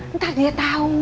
entar dia tau